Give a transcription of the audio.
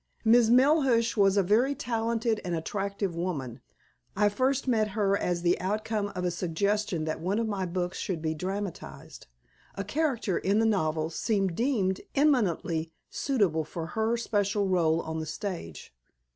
"Miss Melhuish was a very talented and attractive woman. I first met her as the outcome of a suggestion that one of my books should be dramatized, a character in the novel being deemed eminently suitable for her special rôle on the stage.